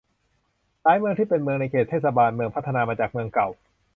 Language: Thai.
หลายเมืองที่เป็นเมืองในเขตเทศบาลเมืองพัฒนามาจากเมืองเก่า